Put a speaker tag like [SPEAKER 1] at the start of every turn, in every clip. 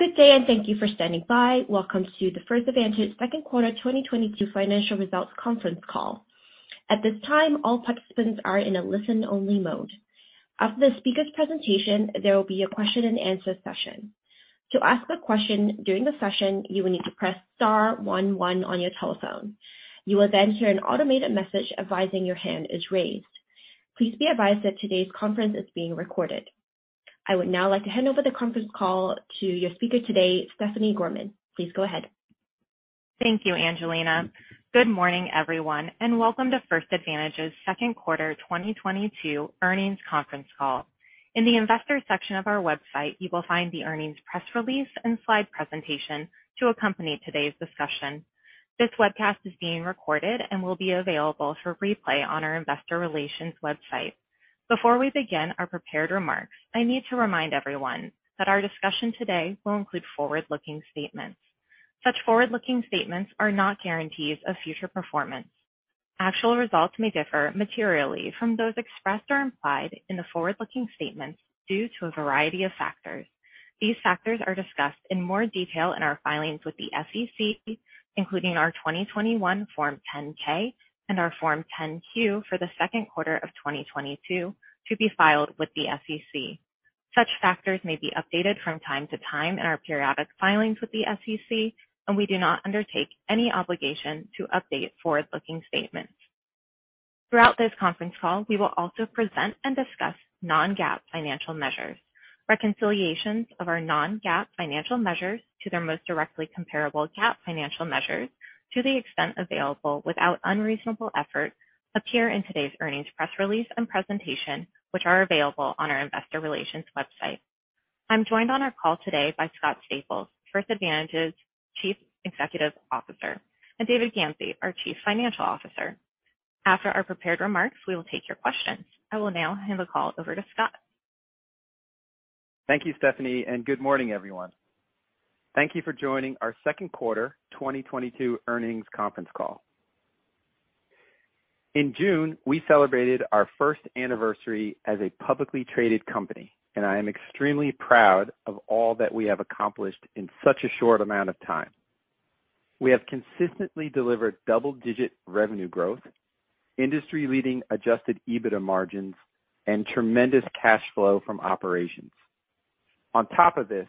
[SPEAKER 1] Good day, and thank you for standing by. Welcome to the First Advantage Second Quarter 2022 Financial Results Conference Call. At this time, all participants are in a listen-only mode. After the speaker's presentation, there will be a question-and-answer session. To ask a question during the session, you will need to press star one one on your telephone. You will then hear an automated message advising your hand is raised. Please be advised that today's conference is being recorded. I would now like to hand over the conference call to your speaker today, Stephanie Gorman. Please go ahead.
[SPEAKER 2] Thank you, Angelina. Good morning, everyone, and welcome to First Advantage's second quarter 2022 earnings conference call. In the investor section of our website, you will find the earnings press release and slide presentation to accompany today's discussion. This webcast is being recorded and will be available for replay on our investor relations website. Before we begin our prepared remarks, I need to remind everyone that our discussion today will include forward-looking statements. Such forward-looking statements are not guarantees of future performance. Actual results may differ materially from those expressed or implied in the forward-looking statements due to a variety of factors. These factors are discussed in more detail in our filings with the SEC, including our 2021 Form 10-K and our Form 10-Q for the second quarter of 2022 to be filed with the SEC. Such factors may be updated from time to time in our periodic filings with the SEC, and we do not undertake any obligation to update forward-looking statements. Throughout this conference call, we will also present and discuss non-GAAP financial measures. Reconciliations of our non-GAAP financial measures to their most directly comparable GAAP financial measures, to the extent available without unreasonable effort, appear in today's earnings press release and presentation, which are available on our investor relations website. I'm joined on our call today by Scott Staples, First Advantage's Chief Executive Officer, and David Gamsey, our Chief Financial Officer. After our prepared remarks, we will take your questions. I will now hand the call over to Scott.
[SPEAKER 3] Thank you, Stephanie, and good morning, everyone. Thank you for joining our second quarter 2022 earnings conference call. In June, we celebrated our first anniversary as a publicly traded company, and I am extremely proud of all that we have accomplished in such a short amount of time. We have consistently delivered double-digit revenue growth, industry-leading adjusted EBITDA margins, and tremendous cash flow from operations. On top of this,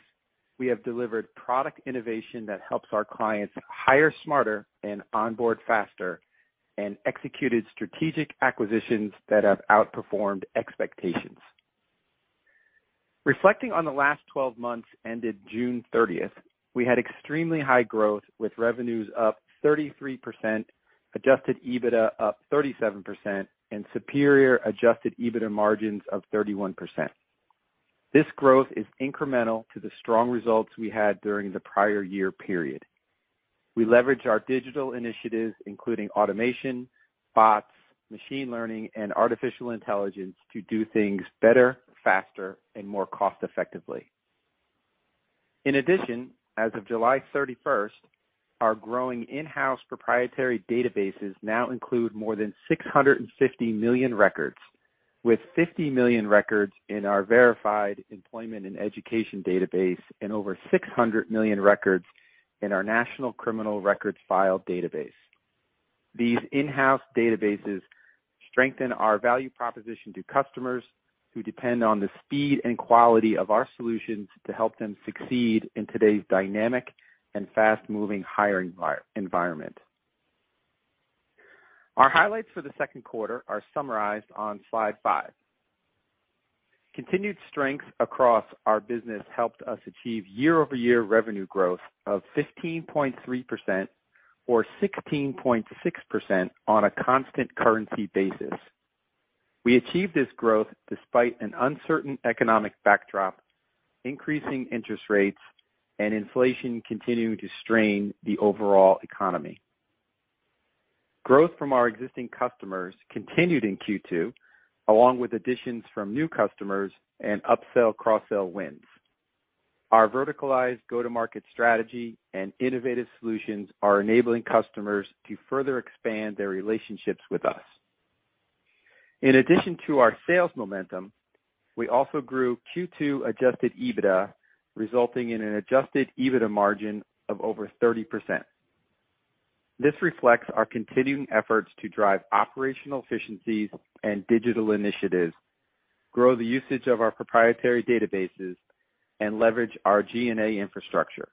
[SPEAKER 3] we have delivered product innovation that helps our clients hire smarter and onboard faster and executed strategic acquisitions that have outperformed expectations. Reflecting on the last 12 months ended June 30, we had extremely high growth with revenues up 33%, adjusted EBITDA up 37%, and superior adjusted EBITDA margins of 31%. This growth is incremental to the strong results we had during the prior year period. We leveraged our digital initiatives, including automation, bots, machine learning, and artificial intelligence to do things better, faster, and more cost-effectively. In addition, as of July 31, our growing in-house proprietary databases now include more than 650 million records, with 50 million records in our Verified! employment and education database and over 600 million records in our National Criminal Records File database. These in-house databases strengthen our value proposition to customers who depend on the speed and quality of our solutions to help them succeed in today's dynamic and fast-moving hiring environment. Our highlights for the second quarter are summarized on slide five. Continued strength across our business helped us achieve year-over-year revenue growth of 15.3% or 16.6% on a constant currency basis. We achieved this growth despite an uncertain economic backdrop, increasing interest rates, and inflation continuing to strain the overall economy. Growth from our existing customers continued in Q2, along with additions from new customers and upsell, cross-sell wins. Our verticalized go-to-market strategy and innovative solutions are enabling customers to further expand their relationships with us. In addition to our sales momentum, we also grew Q2 adjusted EBITDA, resulting in an adjusted EBITDA margin of over 30%. This reflects our continuing efforts to drive operational efficiencies and digital initiatives, grow the usage of our proprietary databases, and leverage our G&A infrastructure.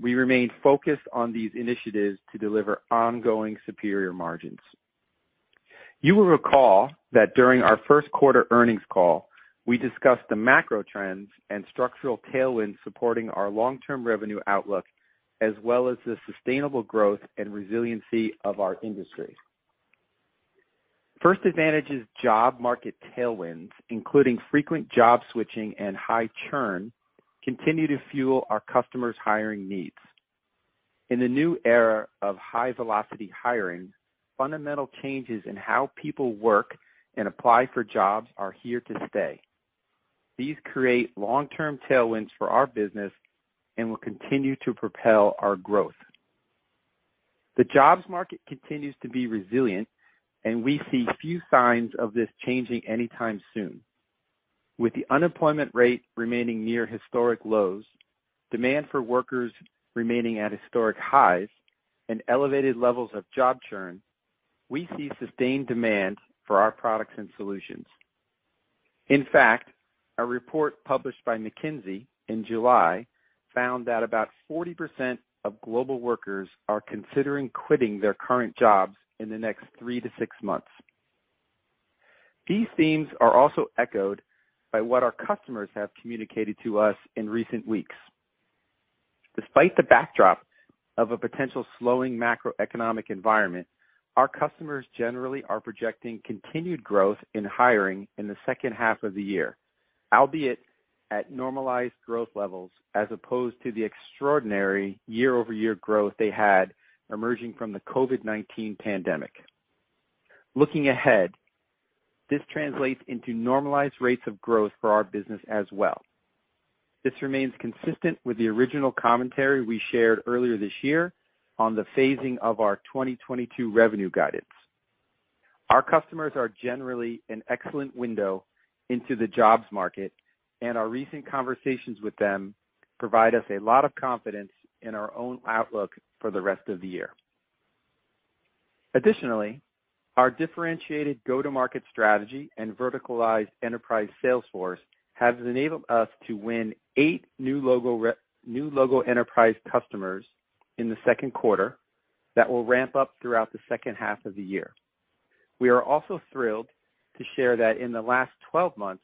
[SPEAKER 3] We remain focused on these initiatives to deliver ongoing superior margins. You will recall that during our first quarter earnings call, we discussed the macro trends and structural tailwinds supporting our long-term revenue outlook, as well as the sustainable growth and resiliency of our industry. First Advantage's job market tailwinds, including frequent job switching and high churn, continue to fuel our customers' hiring needs. In the new era of high-velocity hiring, fundamental changes in how people work and apply for jobs are here to stay. These create long-term tailwinds for our business and will continue to propel our growth. The jobs market continues to be resilient, and we see few signs of this changing anytime soon. With the unemployment rate remaining near historic lows, demand for workers remaining at historic highs, and elevated levels of job churn, we see sustained demand for our products and solutions. In fact, a report published by McKinsey in July found that about 40% of global workers are considering quitting their current jobs in the next three to six months. These themes are also echoed by what our customers have communicated to us in recent weeks. Despite the backdrop of a potential slowing macroeconomic environment, our customers generally are projecting continued growth in hiring in the second half of the year, albeit at normalized growth levels as opposed to the extraordinary year-over-year growth they had emerging from the COVID-19 pandemic. Looking ahead, this translates into normalized rates of growth for our business as well. This remains consistent with the original commentary we shared earlier this year on the phasing of our 2022 revenue guidance. Our customers are generally an excellent window into the jobs market, and our recent conversations with them provide us a lot of confidence in our own outlook for the rest of the year. Additionally, our differentiated go-to-market strategy and verticalized enterprise sales force has enabled us to win eight new logo enterprise customers in the second quarter that will ramp up throughout the second half of the year. We are also thrilled to share that in the last 12 months,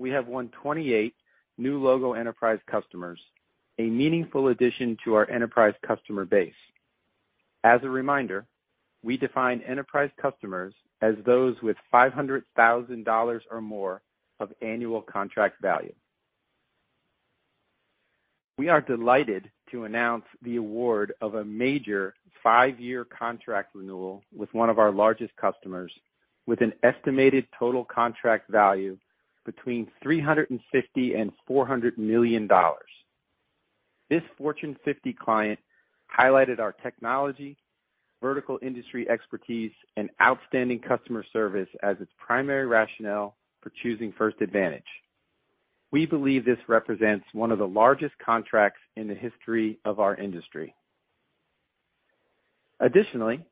[SPEAKER 3] we have won 28 new logo enterprise customers, a meaningful addition to our enterprise customer base. As a reminder, we define enterprise customers as those with $500,000 or more of annual contract value. We are delighted to announce the award of a major five-year contract renewal with one of our largest customers with an estimated total contract value between $350 million and $400 million. This Fortune 50 client highlighted our technology, vertical industry expertise, and outstanding customer service as its primary rationale for choosing First Advantage. We believe this represents one of the largest contracts in the history of our industry. Additionally,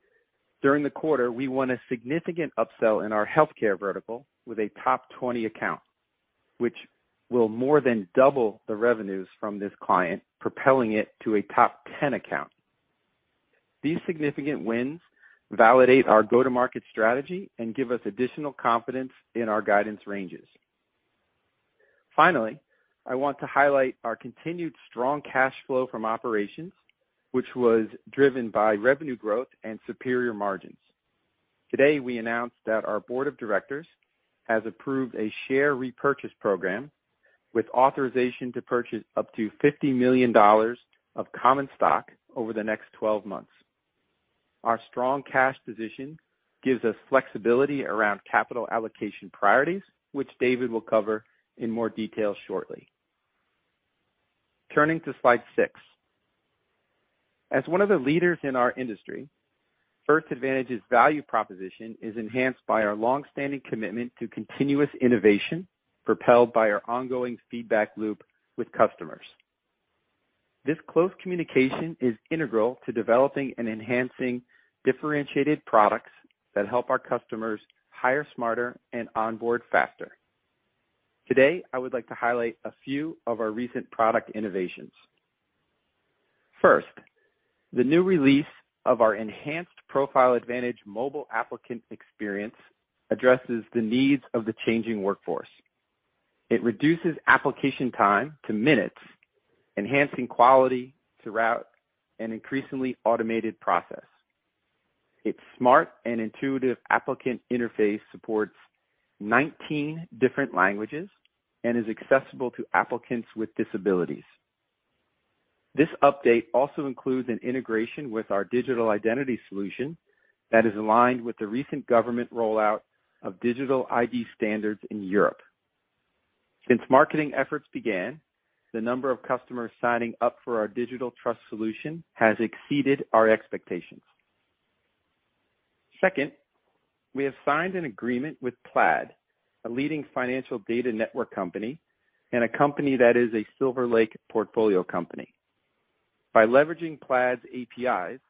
[SPEAKER 3] during the quarter, we won a significant upsell in our healthcare vertical with a top 20 account, which will more than double the revenues from this client, propelling it to a top 10 account. These significant wins validate our go-to-market strategy and give us additional confidence in our guidance ranges. Finally, I want to highlight our continued strong cash flow from operations, which was driven by revenue growth and superior margins. Today, we announced that our board of directors has approved a share repurchase program with authorization to purchase up to $50 million of common stock over the next 12 months. Our strong cash position gives us flexibility around capital allocation priorities, which David will cover in more detail shortly. Turning to slide six. As one of the leaders in our industry, First Advantage's value proposition is enhanced by our long-standing commitment to continuous innovation, propelled by our ongoing feedback loop with customers. This close communication is integral to developing and enhancing differentiated products that help our customers hire smarter and onboard faster. Today, I would like to highlight a few of our recent product innovations. First, the new release of our enhanced Profile Advantage mobile applicant experience addresses the needs of the changing workforce. It reduces application time to minutes, enhancing quality throughout an increasingly automated process. Its smart and intuitive applicant interface supports 19 different languages and is accessible to applicants with disabilities. This update also includes an integration with our digital identity solution that is aligned with the recent government rollout of digital ID standards in Europe. Since marketing efforts began, the number of customers signing up for our digital trust solution has exceeded our expectations. Second, we have signed an agreement with Plaid, a leading financial data network company and a company that is a Silver Lake portfolio company. By leveraging Plaid's APIs,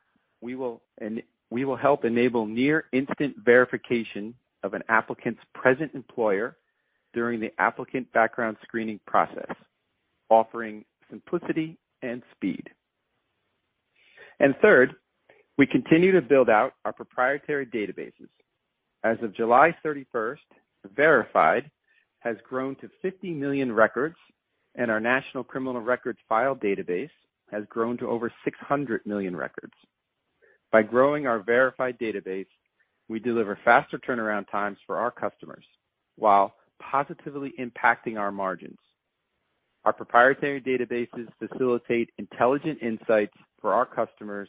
[SPEAKER 3] we will help enable near-instant verification of an applicant's present employer during the applicant background screening process, offering simplicity and speed. Third, we continue to build out our proprietary databases. As of July 31, Verified! has grown to 50 million records, and our National Criminal Records File database has grown to over 600 million records. By growing our Verified! database, we deliver faster turnaround times for our customers while positively impacting our margins. Our proprietary databases facilitate intelligent insights for our customers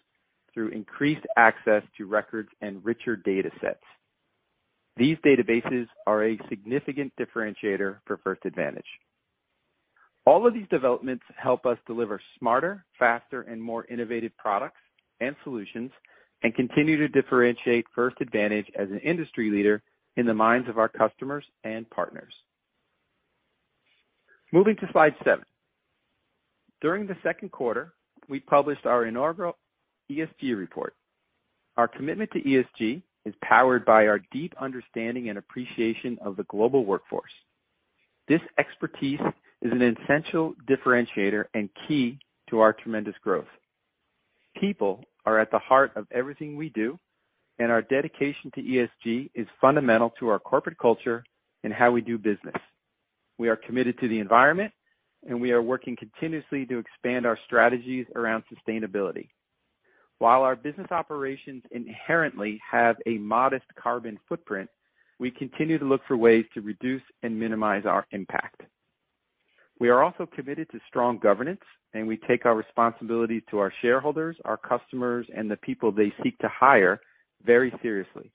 [SPEAKER 3] through increased access to records and richer datasets. These databases are a significant differentiator for First Advantage. All of these developments help us deliver smarter, faster, and more innovative products and solutions and continue to differentiate First Advantage as an industry leader in the minds of our customers and partners. Moving to slide seven. During the second quarter, we published our inaugural ESG report. Our commitment to ESG is powered by our deep understanding and appreciation of the global workforce. This expertise is an essential differentiator and key to our tremendous growth. People are at the heart of everything we do, and our dedication to ESG is fundamental to our corporate culture and how we do business. We are committed to the environment, and we are working continuously to expand our strategies around sustainability. While our business operations inherently have a modest carbon footprint, we continue to look for ways to reduce and minimize our impact. We are also committed to strong governance, and we take our responsibility to our shareholders, our customers, and the people they seek to hire very seriously.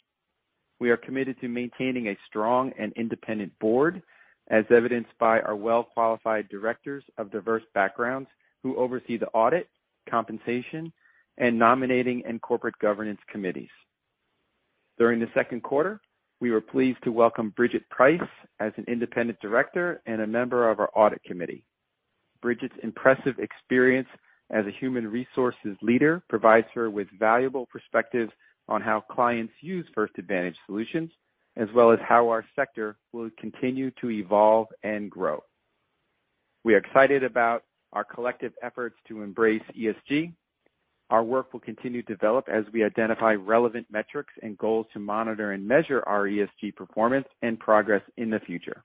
[SPEAKER 3] We are committed to maintaining a strong and independent board, as evidenced by our well-qualified directors of diverse backgrounds who oversee the audit, compensation, and nominating and corporate governance committees. During the second quarter, we were pleased to welcome Bridgett Price as an independent director and a member of our audit committee. Bridgett's impressive experience as a human resources leader provides her with valuable perspective on how clients use First Advantage solutions, as well as how our sector will continue to evolve and grow. We are excited about our collective efforts to embrace ESG. Our work will continue to develop as we identify relevant metrics and goals to monitor and measure our ESG performance and progress in the future.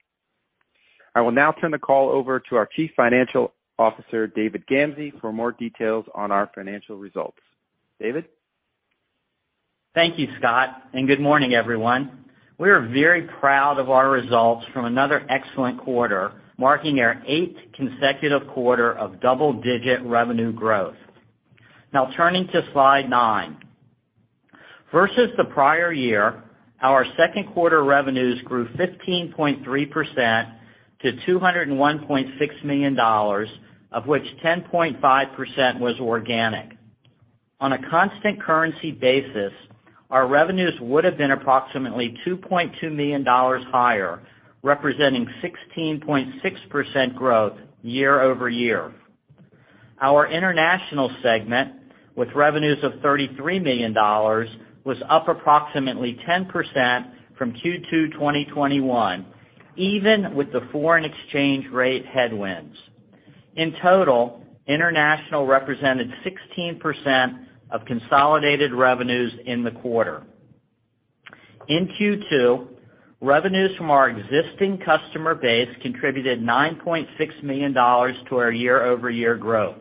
[SPEAKER 3] I will now turn the call over to our Chief Financial Officer, David Gamsey, for more details on our financial results. David?
[SPEAKER 4] Thank you, Scott, and good morning, everyone. We are very proud of our results from another excellent quarter, marking our eighth consecutive quarter of double-digit revenue growth. Now turning to slide nine. Versus the prior year, our second quarter revenues grew 15.3% to $201.6 million, of which 10.5% was organic. On a constant currency basis, our revenues would have been approximately $2.2 million higher, representing 16.6% growth year over year. Our international segment, with revenues of $33 million, was up approximately 10% from Q2 2021, even with the foreign exchange rate headwinds. In total, international represented 16% of consolidated revenues in the quarter. In Q2, revenues from our existing customer base contributed $9.6 million to our year-over-year growth.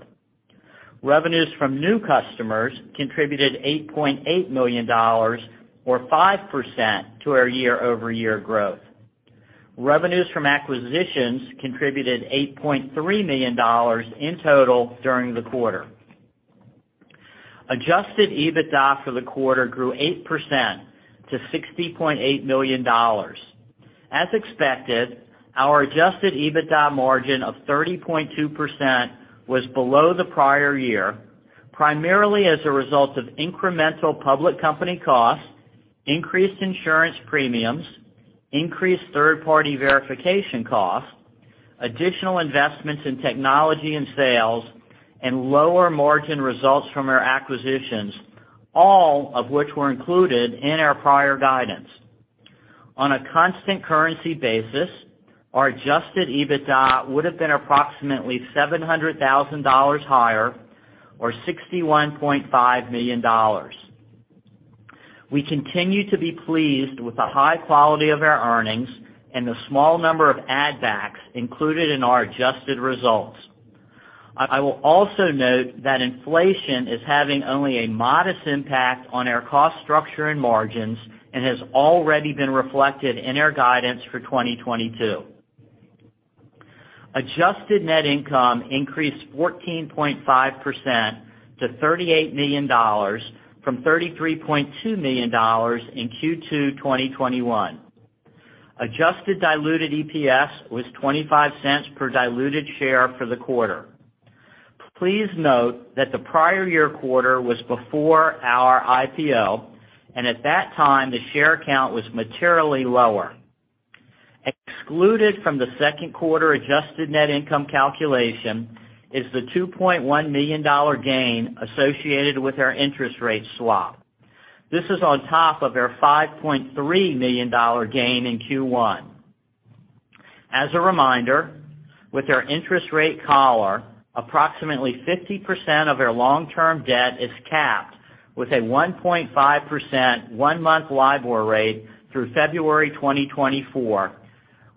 [SPEAKER 4] Revenues from new customers contributed $8.8 million or 5% to our year-over-year growth. Revenues from acquisitions contributed $8.3 million in total during the quarter. Adjusted EBITDA for the quarter grew 8% to $60 million. As expected, our adjusted EBITDA margin of 30.2% was below the prior year, primarily as a result of incremental public company costs, increased insurance premiums, increased third-party verification costs, additional investments in technology and sales, and lower margin results from our acquisitions, all of which were included in our prior guidance. On a constant currency basis, our adjusted EBITDA would have been approximately $700,000 higher, or $61.5 million. We continue to be pleased with the high quality of our earnings and the small number of add backs included in our adjusted results. I will also note that inflation is having only a modest impact on our cost structure and margins and has already been reflected in our guidance for 2022. Adjusted net income increased 14.5% to $38 million from $33.2 million in Q2 2021. Adjusted diluted EPS was $0.25 per diluted share for the quarter. Please note that the prior year quarter was before our IPO, and at that time, the share count was materially lower. Excluded from the second quarter adjusted net income calculation is the $2.1 million gain associated with our interest rate swap. This is on top of our $5.3 million gain in Q1. As a reminder, with our interest rate collar, approximately 50% of our long-term debt is capped with a 1.5% one-month LIBOR rate through February 2024,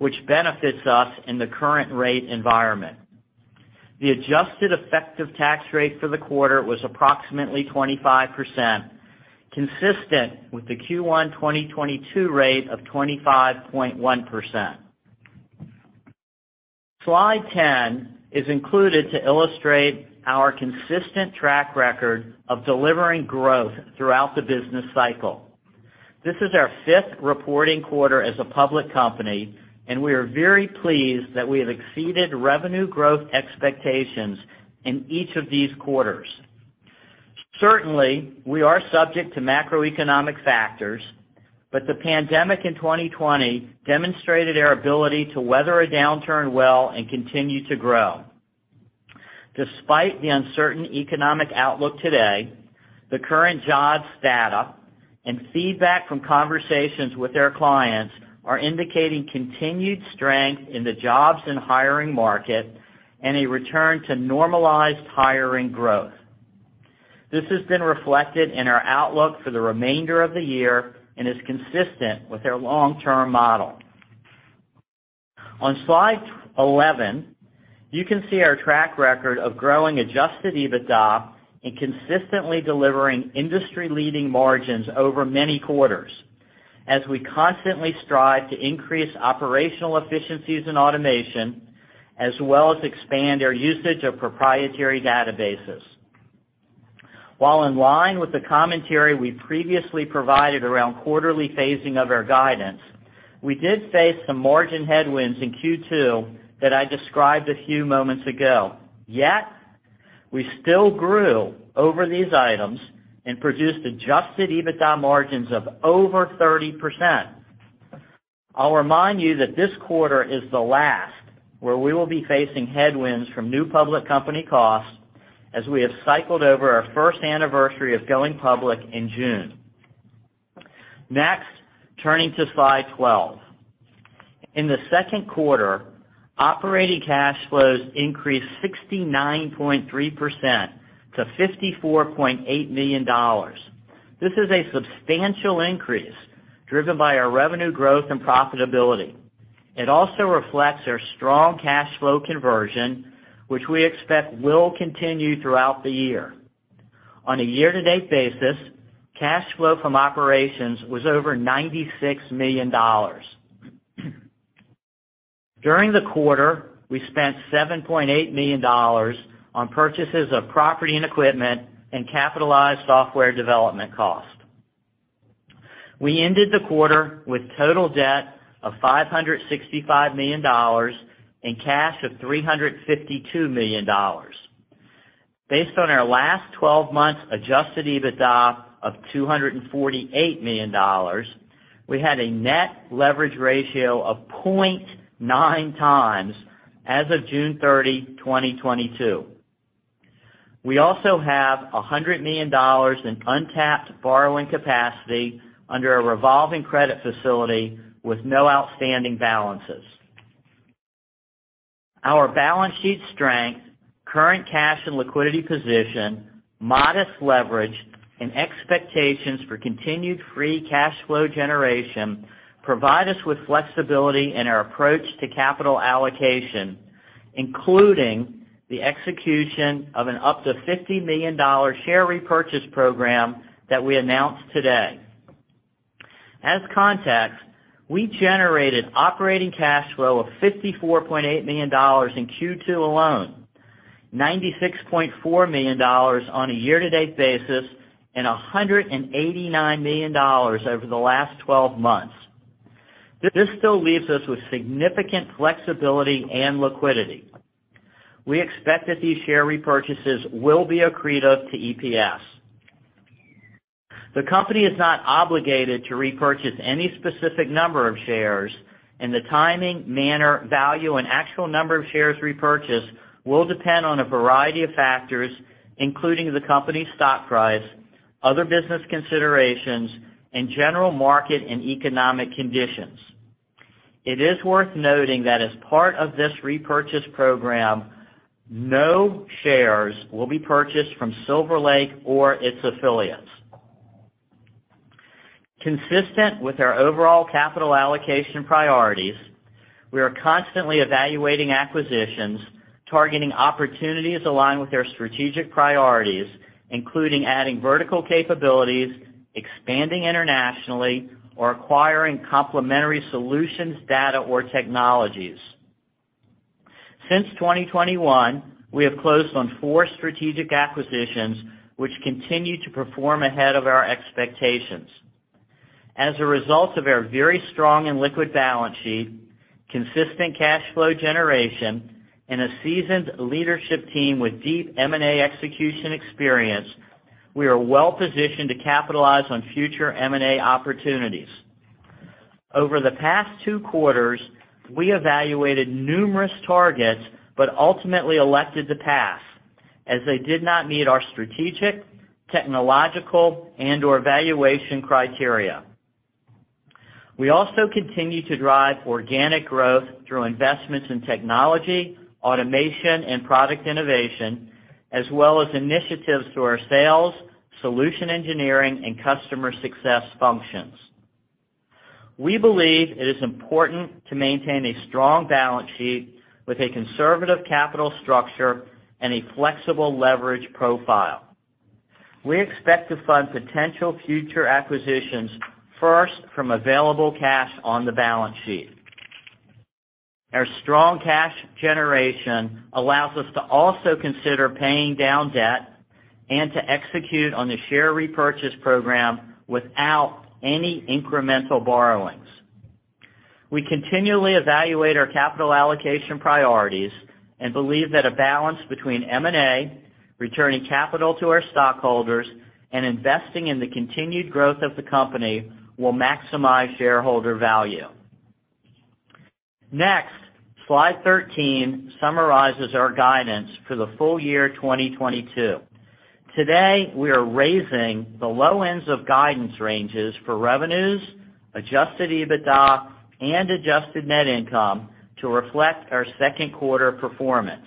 [SPEAKER 4] which benefits us in the current rate environment. The adjusted effective tax rate for the quarter was approximately 25%, consistent with the Q1 2022 rate of 25.1%. Slide 10 is included to illustrate our consistent track record of delivering growth throughout the business cycle. This is our fifth reporting quarter as a public company, and we are very pleased that we have exceeded revenue growth expectations in each of these quarters. Certainly, we are subject to macroeconomic factors, but the pandemic in 2020 demonstrated our ability to weather a downturn well and continue to grow. Despite the uncertain economic outlook today, the current jobs data and feedback from conversations with their clients are indicating continued strength in the jobs and hiring market and a return to normalized hiring growth. This has been reflected in our outlook for the remainder of the year and is consistent with our long-term model. On slide 11, you can see our track record of growing adjusted EBITDA and consistently delivering industry-leading margins over many quarters as we constantly strive to increase operational efficiencies in automation as well as expand our usage of proprietary databases. While in line with the commentary we previously provided around quarterly phasing of our guidance, we did face some margin headwinds in Q2 that I described a few moments ago. Yet, we still grew over these items and produced adjusted EBITDA margins of over 30%. I'll remind you that this quarter is the last where we will be facing headwinds from new public company costs as we have cycled over our first anniversary of going public in June. Next, turning to slide 12. In the second quarter, operating cash flows increased 69.3% to $54.8 million. This is a substantial increase driven by our revenue growth and profitability. It also reflects our strong cash flow conversion, which we expect will continue throughout the year. On a year-to-date basis, cash flow from operations was over $96 million. During the quarter, we spent $7.8 million on purchases of property and equipment and capitalized software development costs. We ended the quarter with total debt of $565 million and cash of $352 million. Based on our last twelve months adjusted EBITDA of $248 million, we had a net leverage ratio of 0.9x as of June 30, 2022. We also have $100 million in untapped borrowing capacity under a revolving credit facility with no outstanding balances. Our balance sheet strength, current cash and liquidity position, modest leverage, and expectations for continued free cash flow generation provide us with flexibility in our approach to capital allocation, including the execution of an up to $50 million dollar share repurchase program that we announced today. As context, we generated operating cash flow of $54.8 million in Q2 alone, $96.4 million on a year-to-date basis, and $189 million over the last twelve months. This still leaves us with significant flexibility and liquidity. We expect that these share repurchases will be accretive to EPS. The company is not obligated to repurchase any specific number of shares, and the timing, manner, value, and actual number of shares repurchased will depend on a variety of factors, including the company's stock price, other business considerations, and general market and economic conditions. It is worth noting that as part of this repurchase program, no shares will be purchased from Silver Lake or its affiliates. Consistent with our overall capital allocation priorities, we are constantly evaluating acquisitions, targeting opportunities aligned with our strategic priorities, including adding vertical capabilities, expanding internationally, or acquiring complementary solutions, data, or technologies. Since 2021, we have closed on four strategic acquisitions, which continue to perform ahead of our expectations. As a result of our very strong and liquid balance sheet, consistent cash flow generation, and a seasoned leadership team with deep M&A execution experience, we are well-positioned to capitalize on future M&A opportunities. Over the past two quarters, we evaluated numerous targets but ultimately elected to pass, as they did not meet our strategic, technological, and/or valuation criteria. We also continue to drive organic growth through investments in technology, automation, and product innovation, as well as initiatives through our sales, solution engineering, and customer success functions. We believe it is important to maintain a strong balance sheet with a conservative capital structure and a flexible leverage profile. We expect to fund potential future acquisitions first from available cash on the balance sheet. Our strong cash generation allows us to also consider paying down debt and to execute on the share repurchase program without any incremental borrowings. We continually evaluate our capital allocation priorities and believe that a balance between M&A, returning capital to our stockholders, and investing in the continued growth of the company will maximize shareholder value. Next, slide 13 summarizes our guidance for the full-year 2022. Today, we are raising the low ends of guidance ranges for revenues, adjusted EBITDA, and adjusted net income to reflect our second quarter performance.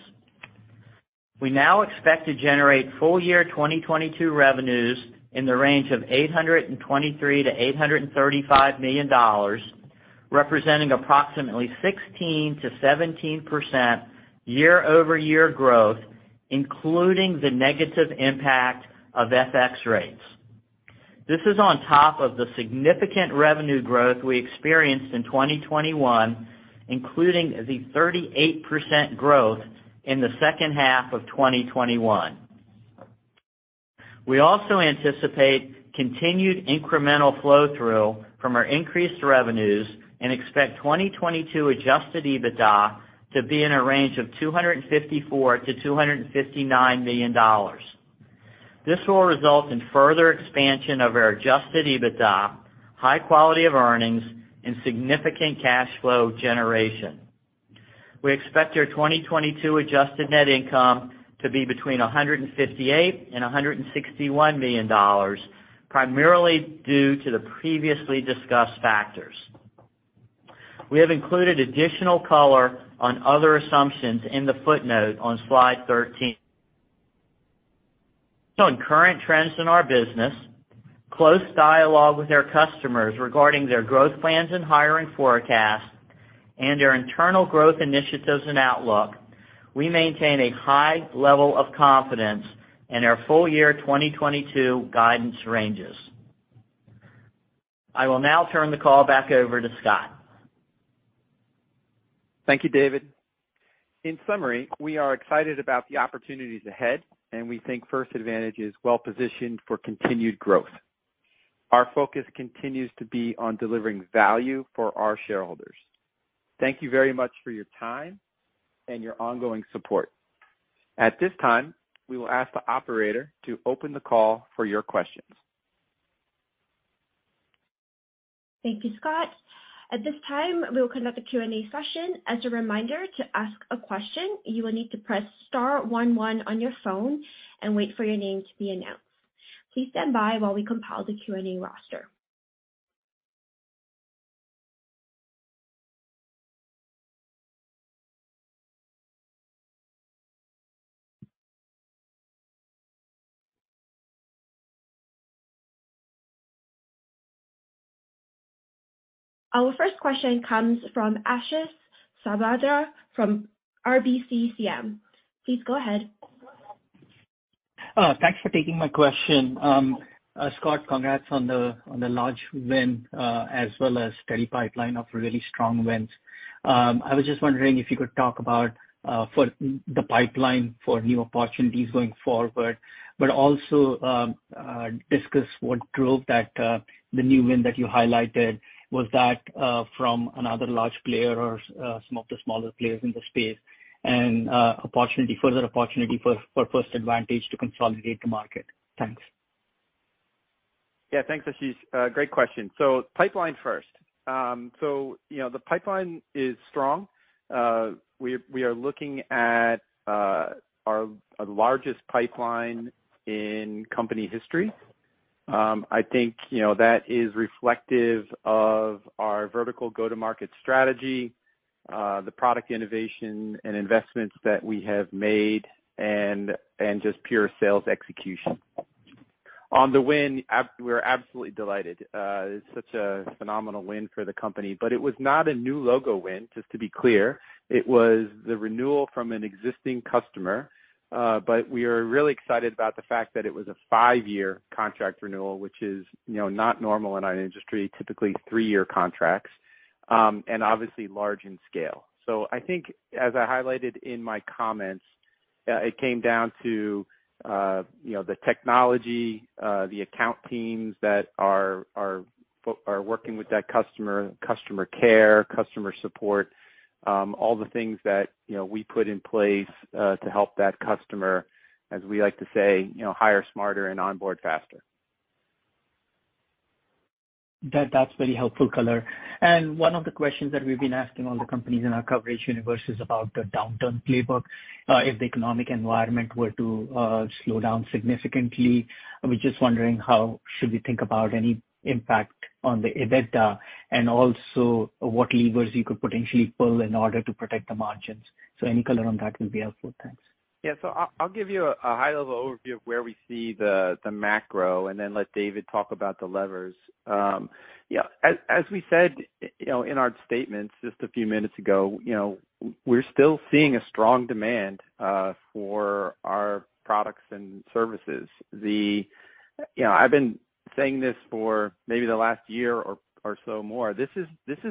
[SPEAKER 4] We now expect to generate full-year 2022 revenues in the range of $823 million-$835 million, representing approximately 16%-17% year-over-year growth, including the negative impact of FX rates. This is on top of the significant revenue growth we experienced in 2021, including the 38% growth in the second half of 2021. We also anticipate continued incremental flow-through from our increased revenues and expect 2022 adjusted EBITDA to be in a range of $254 million-$259 million. This will result in further expansion of our adjusted EBITDA, high quality of earnings, and significant cash flow generation. We expect our 2022 adjusted net income to be between $158 million and $161 million, primarily due to the previously discussed factors. We have included additional color on other assumptions in the footnote on slide 13. On current trends in our business, close dialogue with our customers regarding their growth plans and hiring forecasts, and our internal growth initiatives and outlook, we maintain a high level of confidence in our full-year 2022 guidance ranges. I will now turn the call back over to Scott.
[SPEAKER 3] Thank you, David. In summary, we are excited about the opportunities ahead, and we think First Advantage is well positioned for continued growth. Our focus continues to be on delivering value for our shareholders. Thank you very much for your time and your ongoing support. At this time, we will ask the operator to open the call for your questions.
[SPEAKER 1] Thank you, Scott. At this time, we will conduct a Q&A session. As a reminder, to ask a question, you will need to press star one one on your phone and wait for your name to be announced. Please stand by while we compile the Q&A roster. Our first question comes from Ashish Sabadra from RBC Capital Markets. Please go ahead.
[SPEAKER 5] Thanks for taking my question. Scott, congrats on the large win as well as steady pipeline of really strong wins. I was just wondering if you could talk about the pipeline for new opportunities going forward, but also discuss what drove the new win that you highlighted. Was that from another large player or some of the smaller players in the space? Further opportunity for First Advantage to consolidate the market? Thanks.
[SPEAKER 3] Yeah. Thanks, Ashish. Great question. Pipeline first. You know, the pipeline is strong. We are looking at our largest pipeline in company history. I think, you know, that is reflective of our vertical go-to-market strategy, the product innovation and investments that we have made, and just pure sales execution. On the win, we're absolutely delighted. It's such a phenomenal win for the company. It was not a new logo win, just to be clear. It was the renewal from an existing customer. We are really excited about the fact that it was a five-year contract renewal, which is, you know, not normal in our industry, typically three-year contracts, and obviously large in scale. I think, as I highlighted in my comments, it came down to, you know, the technology, the account teams that are working with that customer care, customer support, all the things that, you know, we put in place, to help that customer, as we like to say, you know, hire smarter and onboard faster.
[SPEAKER 5] That's very helpful color. One of the questions that we've been asking all the companies in our coverage universe is about the downturn playbook. If the economic environment were to slow down significantly, we're just wondering how should we think about any impact on the EBITDA, and also what levers you could potentially pull in order to protect the margins. Any color on that will be helpful. Thanks.
[SPEAKER 3] Yeah. I'll give you a high-level overview of where we see the macro and then let David talk about the levers. As we said, you know, in our statements just a few minutes ago, you know, we're still seeing a strong demand for our products and services. You know, I've been saying this for maybe the last year or so more, this is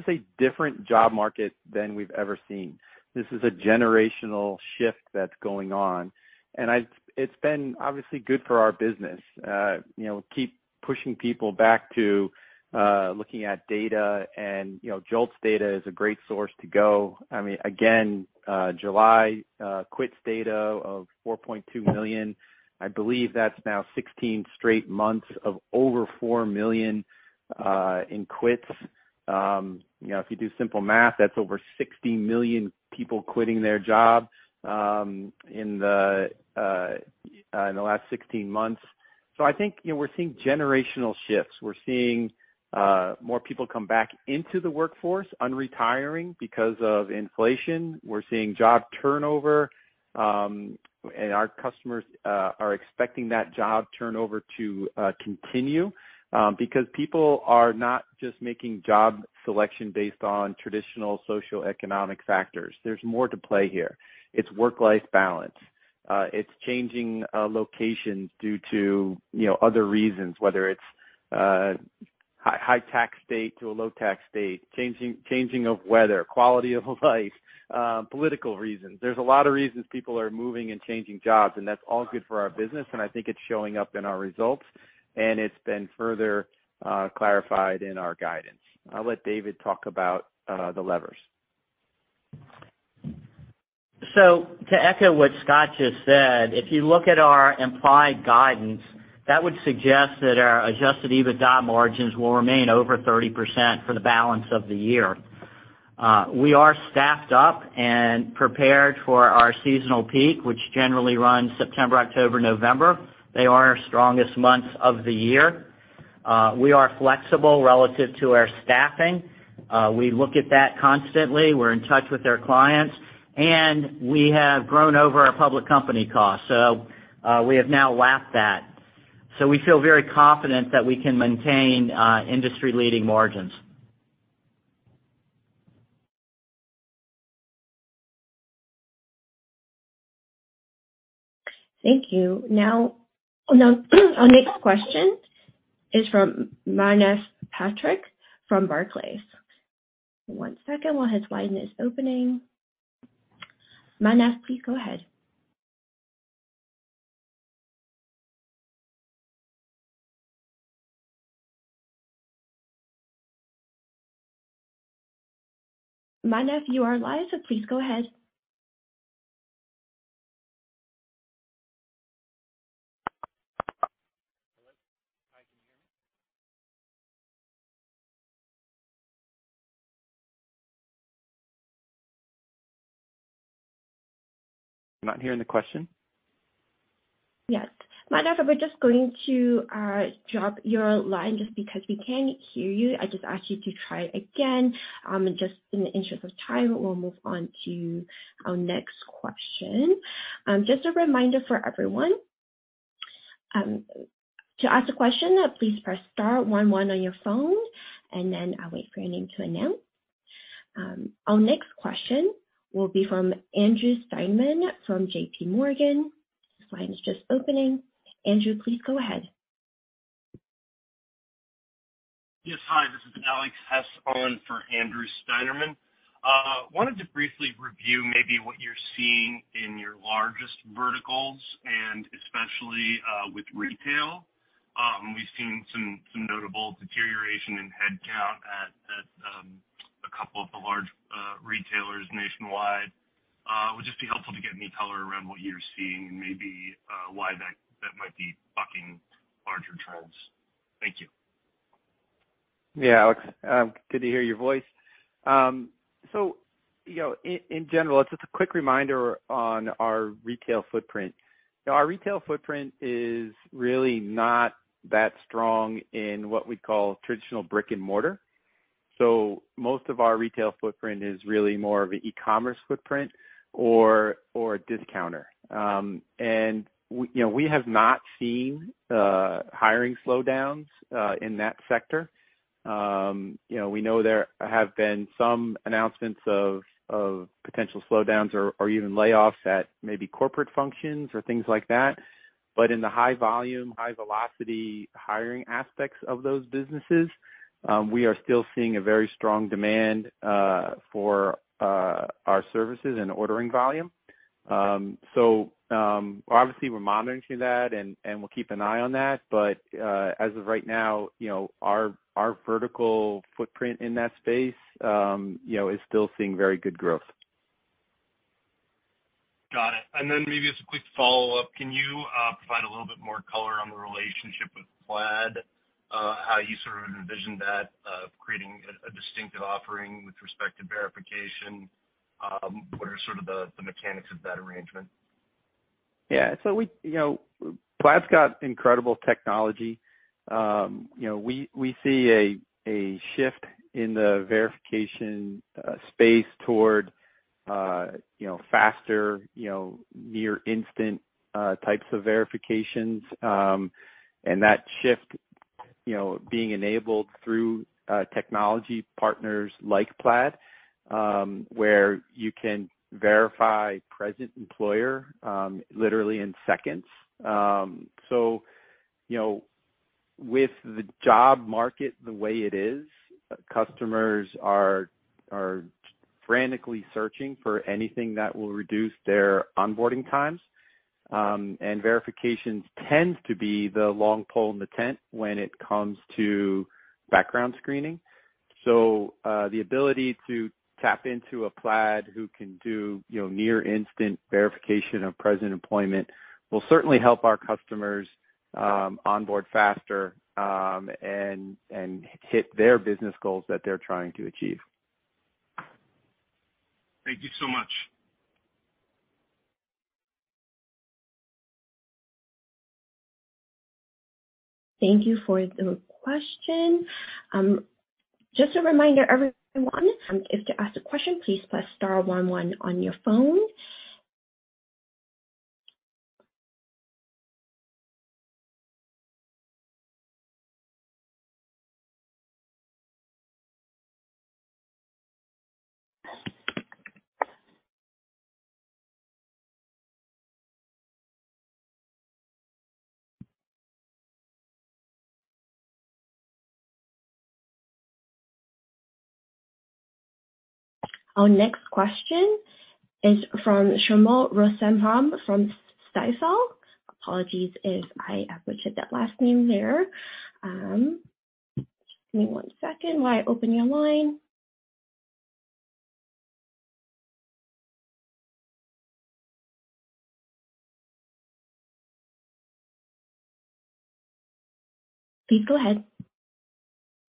[SPEAKER 3] a different job market than we've ever seen. This is a generational shift that's going on, and it's been obviously good for our business. You know, keep pushing people back to looking at data and, you know, JOLTS data is a great source to go. I mean, again, July quits data of 4.2 million, I believe that's now 16 straight months of over 4 million in quits. You know, if you do simple math, that's over 60 million people quitting their job in the last 16 months. I think, you know, we're seeing generational shifts. We're seeing more people come back into the workforce, unretiring because of inflation. We're seeing job turnover, and our customers are expecting that job turnover to continue because people are not just making job selection based on traditional socioeconomic factors. There's more at play here. It's work-life balance. It's changing locations due to, you know, other reasons, whether it's high tax state to a low tax state, changing of weather, quality of life, political reasons. There's a lot of reasons people are moving and changing jobs, and that's all good for our business, and I think it's showing up in our results, and it's been further clarified in our guidance. I'll let David talk about the levers.
[SPEAKER 4] To echo what Scott just said, if you look at our implied guidance, that would suggest that our adjusted EBITDA margins will remain over 30% for the balance of the year. We are staffed up and prepared for our seasonal peak, which generally runs September, October, November. They are our strongest months of the year. We are flexible relative to our staffing. We look at that constantly. We're in touch with their clients, and we have grown over our public company costs. We have now lapped that. We feel very confident that we can maintain industry-leading margins.
[SPEAKER 1] Thank you. Now our next question is from Manav Patnaik from Barclays. One second while his line is opening. Manav, please go ahead. Manav, you are live, so please go ahead.
[SPEAKER 6] Hello? Hi, can you hear me? I'm not hearing the question.
[SPEAKER 1] Yes. Manav, we're just going to drop your line just because we can't hear you. I just ask you to try again. Just in the interest of time, we'll move on to our next question. Just a reminder for everyone, to ask a question, please press star one one on your phone, and then I'll wait for your name to announce. Our next question will be from Andrew Steinerman from JPMorgan. His line is just opening. Andrew, please go ahead.
[SPEAKER 7] Yes. Hi, this is Alex Hess on for Andrew Steinerman. Wanted to briefly review maybe what you're seeing in your largest verticals and especially with retail. We've seen some notable deterioration in head count at a couple of the large retailers nationwide. It would just be helpful to get any color around what you're seeing and maybe why that might be bucking larger trends. Thank you.
[SPEAKER 3] Yeah, Alex. Good to hear your voice. You know, in general, it's just a quick reminder on our retail footprint. Our retail footprint is really not that strong in what we call traditional brick-and-mortar. Most of our retail footprint is really more of an e-commerce footprint or a discounter. We, you know, have not seen hiring slowdowns in that sector. You know, we know there have been some announcements of potential slowdowns or even layoffs at maybe corporate functions or things like that. In the high volume, high velocity hiring aspects of those businesses, we are still seeing a very strong demand for our services and ordering volume. Obviously we're monitoring that and we'll keep an eye on that. As of right now, you know, our vertical footprint in that space, you know, is still seeing very good growth.
[SPEAKER 7] Got it. Maybe just a quick follow-up. Can you provide a little bit more color on the relationship with Plaid, how you sort of envisioned that creating a distinctive offering with respect to verification? What are sort of the mechanics of that arrangement?
[SPEAKER 3] Yeah. We, you know, Plaid's got incredible technology. You know, we see a shift in the verification space toward, you know, faster, you know, near instant types of verifications. That shift, you know, being enabled through technology partners like Plaid, where you can verify present employer literally in seconds. With the job market the way it is, customers are frantically searching for anything that will reduce their onboarding times. Verifications tends to be the long pole in the tent when it comes to background screening. The ability to tap into a Plaid who can do, you know, near instant verification of present employment will certainly help our customers onboard faster and hit their business goals that they're trying to achieve.
[SPEAKER 7] Thank you so much.
[SPEAKER 1] Thank you for the question. Just a reminder, everyone, if to ask a question, please press star one one on your phone. Our next question is from Shlomo Rosenbaum from Stifel. Apologies if I butchered that last name there. Give me one second while I open your line. Please go ahead.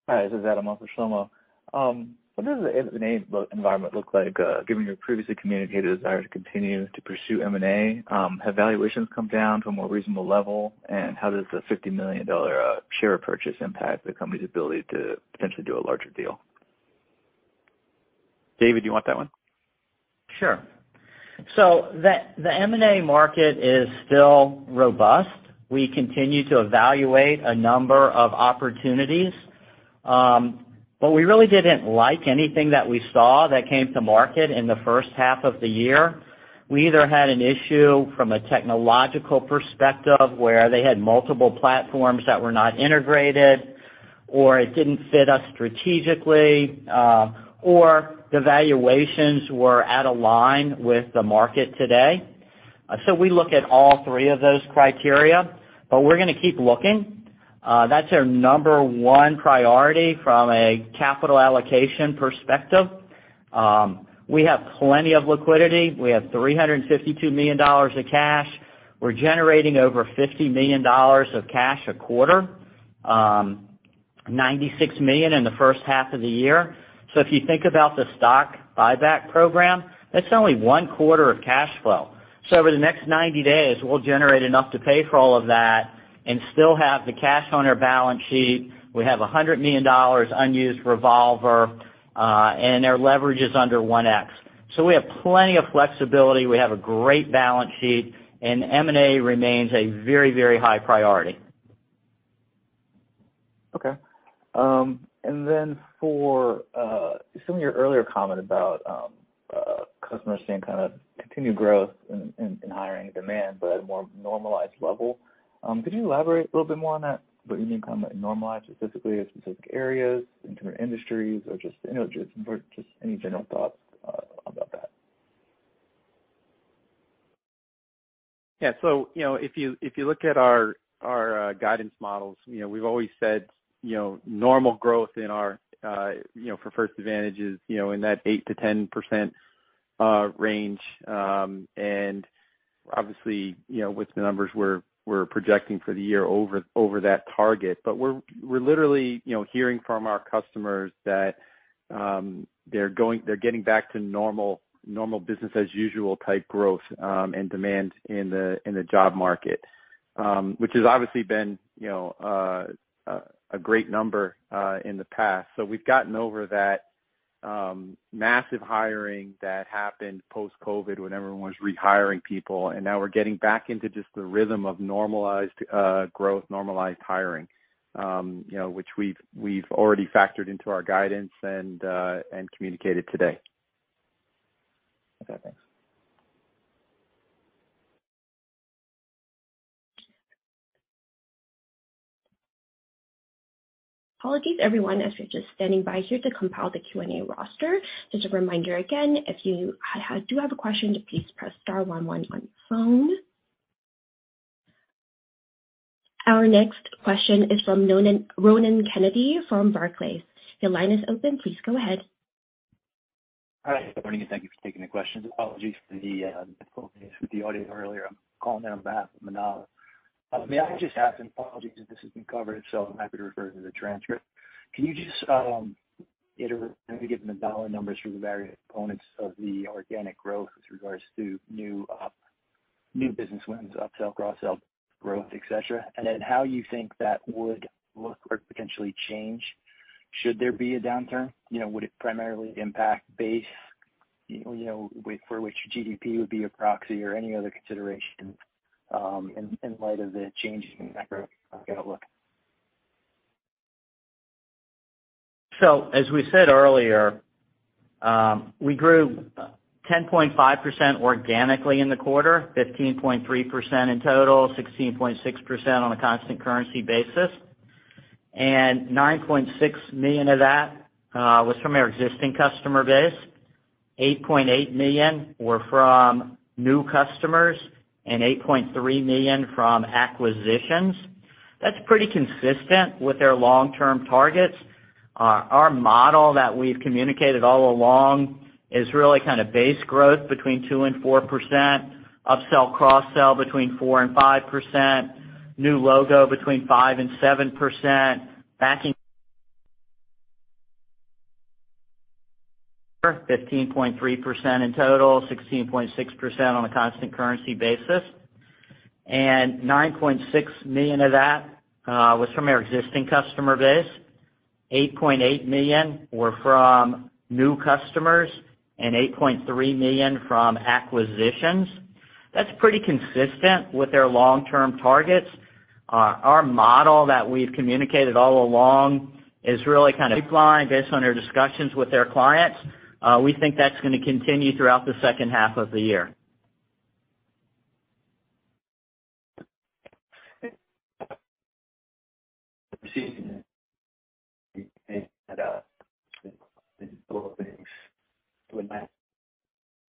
[SPEAKER 8] Hi, this is Adam, on for Shlomo. What does the M&A environment look like, given your previously communicated desire to continue to pursue M&A? Have valuations come down to a more reasonable level? How does the $50 million share purchase impact the company's ability to potentially do a larger deal?
[SPEAKER 3] David, do you want that one?
[SPEAKER 4] Sure. The M&A market is still robust. We continue to evaluate a number of opportunities. We really didn't like anything that we saw that came to market in the first half of the year. We either had an issue from a technological perspective where they had multiple platforms that were not integrated, or it didn't fit us strategically, or the valuations were out of line with the market today. We look at all three of those criteria, but we're gonna keep looking. That's our number one priority from a capital allocation perspective. We have plenty of liquidity. We have $352 million of cash. We're generating over $50 million of cash a quarter, $96 million in the first half of the year. If you think about the stock buyback program, that's only one quarter of cash flow. Over the next 90 days, we'll generate enough to pay for all of that and still have the cash on our balance sheet. We have $100 million unused revolver, and our leverage is under 1x. We have plenty of flexibility. We have a great balance sheet, and M&A remains a very, very high priority.
[SPEAKER 8] Okay. For some of your earlier comment about customers seeing kinda continued growth in hiring demand but a more normalized level, could you elaborate a little bit more on that? What you mean kinda normalized, specifically in specific areas, in terms of industries or just, you know, just any general thoughts about that?
[SPEAKER 3] Yeah. You know, if you look at our guidance models, you know, we've always said, you know, normal growth for First Advantage is, you know, in that 8%-10% range. Obviously, you know, with the numbers we're projecting for the year over that target. We're literally, you know, hearing from our customers that they're getting back to normal business as usual type growth and demand in the job market, which has obviously been, you know, a great number in the past. We've gotten over that massive hiring that happened post-COVID when everyone was rehiring people. Now we're getting back into just the rhythm of normalized growth, normalized hiring, you know, which we've already factored into our guidance and communicated today.
[SPEAKER 8] Okay, thanks.
[SPEAKER 1] Apologies, everyone, as we're just standing by here to compile the Q&A roster. Just a reminder again, if you have a question, to please press star one one on your phone. Our next question is from Ronan Kennedy from Barclays. Your line is open. Please go ahead.
[SPEAKER 9] Hi, good morning, and thank you for taking the questions. Apologies for the difficulties with the audio earlier. I'm calling in on behalf of Manav. May I just ask, and apologies if this has been covered, so I'm happy to refer to the transcript. Can you just give the dollar numbers for the various components of the organic growth with regards to new business wins, upsell, cross-sell growth, et cetera? Then how you think that would look or potentially change should there be a downturn? Would it primarily impact base for which GDP would be a proxy or any other considerations in light of the changes in macro outlook?
[SPEAKER 4] As we said earlier, we grew 10.5% organically in the quarter, 15.3% in total, 16.6% on a constant currency basis. $9.6 million of that was from our existing customer base. $8.8 million were from new customers, and $8.3 million from acquisitions. That's pretty consistent with their long-term targets. Our model that we've communicated all along is really kind of base growth between 2% and 4%, upsell, cross-sell between 4% and 5%, new logo between 5% and 7%. That's pretty consistent with their long-term targets. Our model that we've communicated all along is really kind of pipeline based on their discussions with their clients. We think that's gonna continue throughout the second half of the year.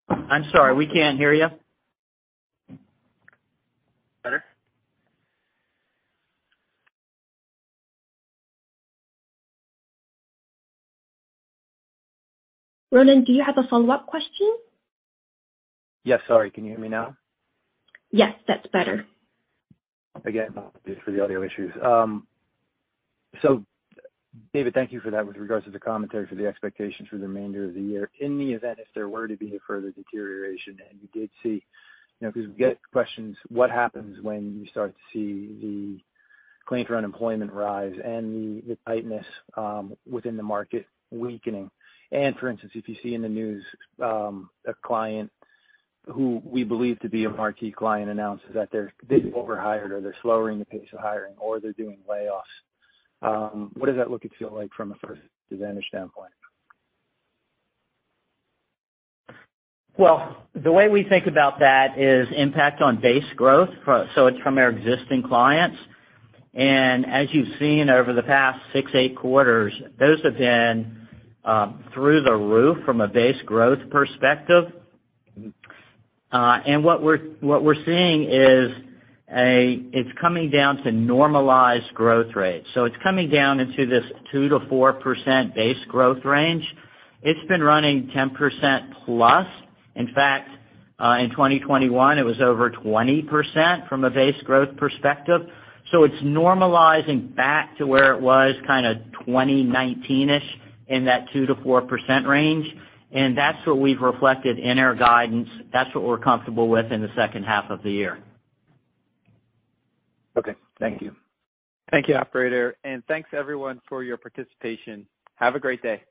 [SPEAKER 4] I'm sorry, we can't hear you. Better?
[SPEAKER 1] Ronan, do you have a follow-up question?
[SPEAKER 9] Yes. Sorry, can you hear me now?
[SPEAKER 1] Yes, that's better.
[SPEAKER 9] Again, apologies for the audio issues. David, thank you for that with regards to the commentary for the expectations for the remainder of the year. In the event, if there were to be a further deterioration and you did see. You know, because we get questions, what happens when you start to see the claim for unemployment rise and the tightness within the market weakening? For instance, if you see in the news, a client who we believe to be a marquee client announces that they've overhired or they're slowing the pace of hiring or they're doing layoffs, what does that look and feel like from a First Advantage standpoint?
[SPEAKER 4] The way we think about that is impact on base growth, so it's from our existing clients. As you've seen over the past six, eight quarters, those have been through the roof from a base growth perspective. What we're seeing is it's coming down to normalized growth rates. It's coming down into this 2%-4% base growth range. It's been running 10%+. In fact, in 2021, it was over 20% from a base growth perspective. It's normalizing back to where it was kinda 2019-ish in that 2%-4% range. That's what we've reflected in our guidance. That's what we're comfortable with in the second half of the year.
[SPEAKER 9] Okay. Thank you.
[SPEAKER 3] Thank you, operator, and thanks everyone for your participation. Have a great day.